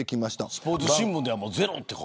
スポーツ新聞ではゼロって。